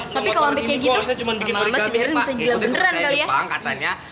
tapi kalau lampe kayak gitu lama lama si deren bisa gila beneran kali ya